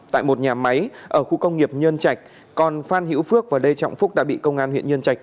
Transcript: tại một nhà máy ở khu công nghiệp nhân trạch còn phan hữu phước và lê trọng phúc đã bị công an huyện nhân trạch